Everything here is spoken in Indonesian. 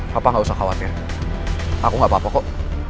bapak gak usah khawatir aku gak apa apa kok